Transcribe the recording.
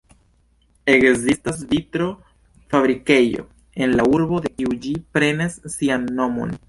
Ekzistas vitro-fabrikejo en la urbo, de kiu ĝi prenas sian nomon.